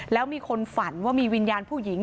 แล้วมีคนฝันว่ามีวิญญาณผู้หญิง